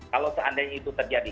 kalau seandainya itu terjadi